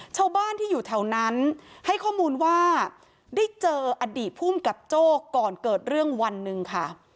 ชาวบ้านที่อยู่แถวนั้นให้ข้อมูลว่าได้เจออดีตภูมิกับโจ้ก่อนเกิดเรื่องวันหนึ่งค่ะ